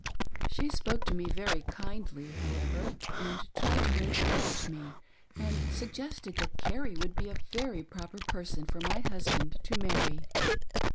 She spoke to me very kindly, however, and tried to encourage me, and suggested that Carrie would be a very proper person for my husband to marry.